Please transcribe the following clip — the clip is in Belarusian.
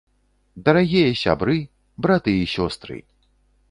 Дарагія сябры, браты і сёстры!